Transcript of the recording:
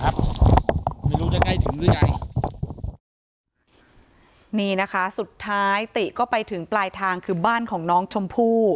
ครับไม่รู้จะใกล้ถึงหรือยังนี่นะคะสุดท้ายติก็ไปถึงปลายทางคือบ้านของน้องชมผู้